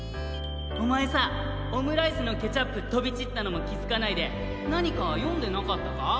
おまえさオムライスのケチャップとびちったのもきづかないでなにかよんでなかったか？